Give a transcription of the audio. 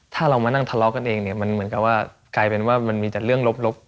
ถ้าเรามานั่งทะเลาะกันเองเนี่ยมันเหมือนกับว่ากลายเป็นว่ามันมีแต่เรื่องลบ